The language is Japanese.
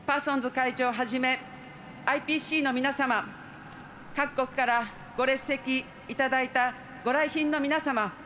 会長はじめＩＰＣの皆様各国からご列席いただいたご来賓の皆様